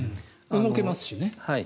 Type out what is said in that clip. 動けますしね。